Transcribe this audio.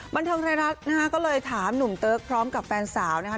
บันเทิงไทยรัฐนะฮะก็เลยถามหนุ่มเติ๊กพร้อมกับแฟนสาวนะคะ